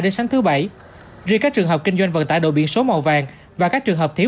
đến sáng thứ bảy riêng các trường hợp kinh doanh vận tải đồ biển số màu vàng và các trường hợp thiếu